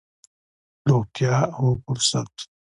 روغتيا او فرصت.